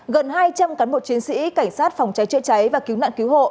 gần hai trăm linh cán bộ chiến sĩ cảnh sát phòng cháy chữa cháy và cứu nạn cứu hộ